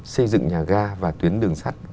xây dựng nhà ga và tuyến đường sắt